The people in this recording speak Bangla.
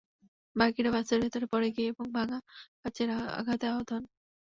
বাকিরা বাসের ভেতরে পড়ে গিয়ে এবং ভাঙা কাচের আঘাতে আহত হন।